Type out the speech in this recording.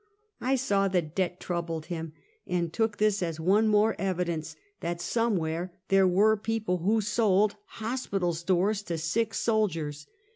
" I saw the debt troubled him, and took this as one more evidence that somewhere there were people who sold hospital stores to sick soldiers.